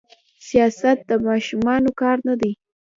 سياست د ماشومانو کار نه دي.